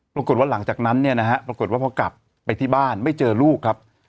ปรากฏว่าหลังจากนั้นเนี่ยนะฮะปรากฏว่าพอกลับไปที่บ้านไม่เจอลูกครับ